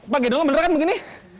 pak gede lo beneran kan begini